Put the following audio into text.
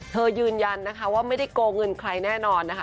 ยืนยันนะคะว่าไม่ได้โกงเงินใครแน่นอนนะคะ